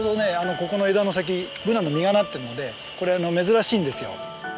ここの枝の先ブナの実がなってるのでこれ珍しいんですよ。